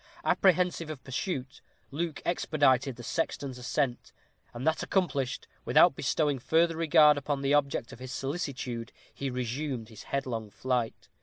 Apprehensive of pursuit, Luke expedited the sexton's ascent; and that accomplished, without bestowing further regard upon the object of his solicitude, he resumed his headlong flight.